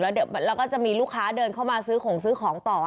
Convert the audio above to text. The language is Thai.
แล้วก็จะมีลูกค้าเดินเข้ามาซื้อของซื้อของต่อค่ะ